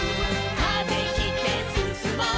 「風切ってすすもう」